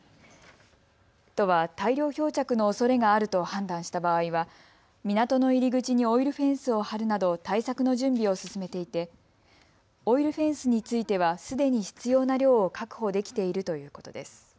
都は大量漂着のおそれがあると判断した場合は港の入り口にオイルフェンスを張るなど対策の準備を進めていてオイルフェンスについてはすでに必要な量を確保できているということです。